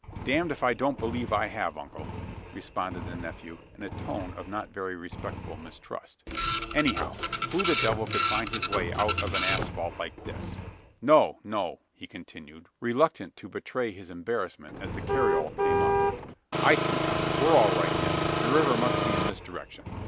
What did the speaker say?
"Damned if I don't believe I have, uncle!" responded the nephew, in a tone of not very respectful mistrust. "Anyhow; who the devil could find his way out of an ashpit like this? No, no!" he continued, reluctant to betray his embarrassment as the carriole came up. "I see now. We're all right yet. The river must be in this direction.